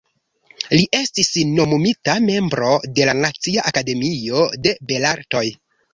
Li estis nomumita membro de la Nacia Akademio de Belartoj.